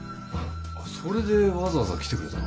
それでわざわざ来てくれたのかい？